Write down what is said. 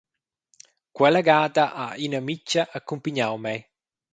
Quella gada ha ina amitga accumpignau mei.